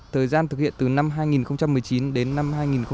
thời gian thực hiện từ năm hai nghìn một mươi chín đến năm hai nghìn hai mươi